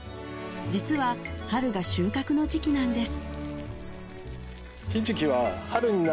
実は春が収穫の時期なんです